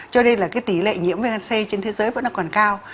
cho nên là cái tỷ lệ nhiễm viêm gan c trên thế giới vẫn còn cao